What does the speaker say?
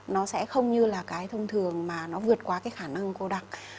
nó sẽ không như là cái thông thường mà nó vượt qua cái khả năng cô đặc